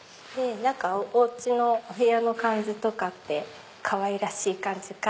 おうちのお部屋の感じとかってかわいらしい感じか。